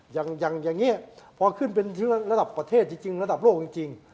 อย่างนี้พอขึ้นเป็นเชื้อระดับประเทศจริงระดับโลกจริง